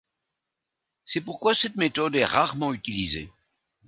C'est pourquoi cette méthode est rarement utilisée.